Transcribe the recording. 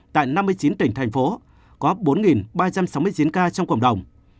tại năm mươi chín tỉnh thành phố có bốn ba trăm sáu mươi chín ca trong cộng đồng